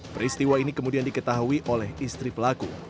peristiwa ini kemudian diketahui oleh istri pelaku